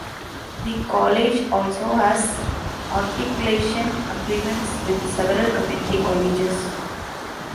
The college also has articulation agreements with several community colleges.